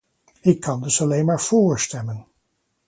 Ik kan dus alleen maar vóór stemmen.